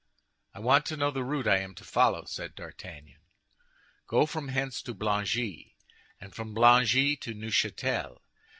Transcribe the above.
"I want to know the route I am to follow," said D'Artagnan. "Go from hence to Blangy, and from Blangy to Neufchâtel.